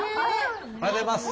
おはようございます！